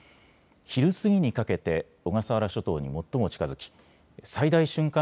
昼過ぎにかけて小笠原諸島に最も近づき最大瞬間